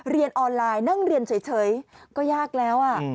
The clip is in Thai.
เรียนออนไลน์นั่งเรียนเฉยก็ยากแล้ว